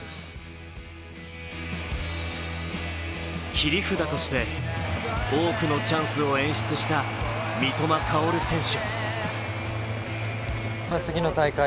切り札として多くのチャンスを演出した三笘薫選手。